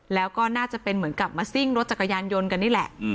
แล้วก็น่าจะเป็นเหมือนกับมาซิ่งรถจักรยานยนต์กันนี่แหละ